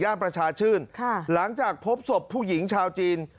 ประชาชื่นค่ะหลังจากพบศพผู้หญิงชาวจีน